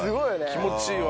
気持ちいいわ。